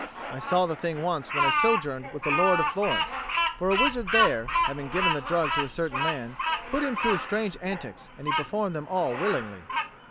I saw the thing once when I sojourned with the Lord of Florence; for a wizard there, having given the drug to a certain man, put him through strange antics, and he performed them all willingly."